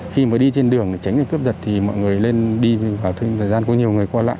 khi mà đi trên đường tránh cướp giật thì mọi người lên đi vào thời gian có nhiều người